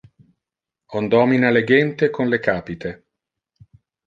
On domina le gente con le capite.